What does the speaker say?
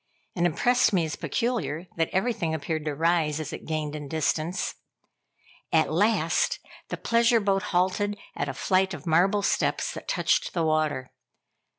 It impressed me as peculiar, that everything appeared to rise as it gained in distance. At last the pleasure boat halted at a flight of marble steps that touched the water.